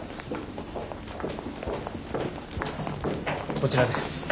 こちらです。